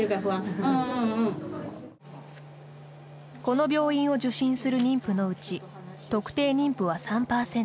この病院を受診する妊婦のうち特定妊婦は３％。